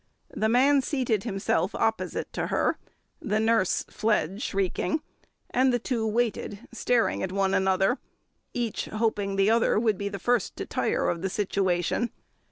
The man seated himself opposite to her, the nurse fled shrieking, and the two waited, staring at one another, each hoping the other would be the first to tire of the situation.